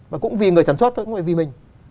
mà cũng vì người sản xuất thôi cũng vì mình